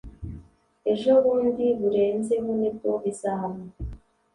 Ejo bundi burenzeho nibwo bizaba